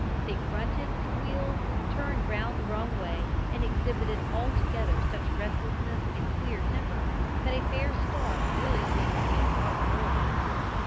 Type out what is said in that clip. They grunted, squealed, turned round the wrong way, and exhibited altogether such restlessness and queer temper, that a fair start really seemed to be an impossibility.